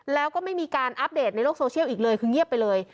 แล้วก็ไม่มีการอัปเดตในโลกโซเชียลอีกเลยคือเงียบไปเลย